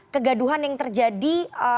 kegaduhan yang terjadi